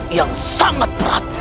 yang sangat berat